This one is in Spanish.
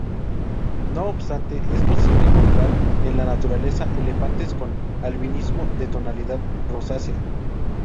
No obstante, es posible encontrar en la naturaleza elefantes con albinismo de tonalidad rosácea.